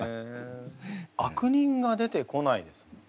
悪人が出てこないですもんね。